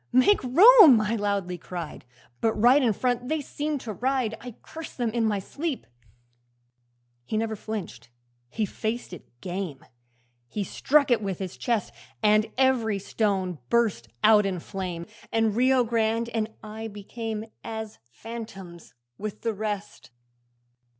make room!" I loudly cried, But right in front they seemed to ride I cursed them in my sleep. 'He never flinched, he faced it game, He struck it with his chest, And every stone burst out in flame, And Rio Grande and I became As phantoms with the rest.